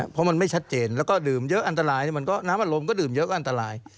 เพราะมันไม่ชัดเจนแล้วก็ดื่มเยอะอันตรายน้ำอารมณ์ก็ดื่มเยอะก็อันตราย